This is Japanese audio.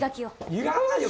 いらないよ